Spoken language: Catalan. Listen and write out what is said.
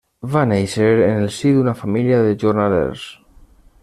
Va néixer en el si d'una família de jornalers.